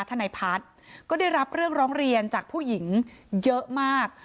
ทนายพัฒน์ก็ได้รับเรื่องร้องเรียนจากผู้หญิงเยอะมาก